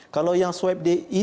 kalau yang swipe di edc